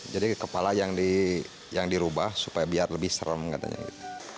jadi kepala yang dirubah supaya biar lebih serem katanya gitu